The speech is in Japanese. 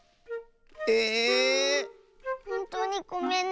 ええっ⁉ほんとうにごめんね。